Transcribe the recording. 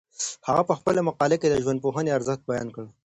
هغه په خپله مقاله کي د ژوندپوهنې ارزښت بیان کړ.